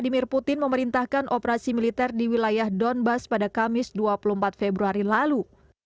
dimir putin memerintahkan operasi militer di wilayah donbass pada kamis dua puluh empat februari lalu